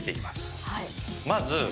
まず。